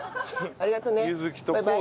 ありがとう！